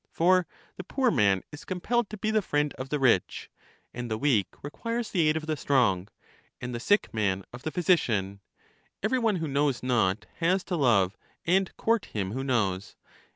For the poor man is compelled to be the friend of the rich, and the weak requires the aid of the strong, and the sick man of the physician; every one who knows not has to love and court him who knows."